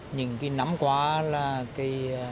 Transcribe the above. những cái nắm quá là cái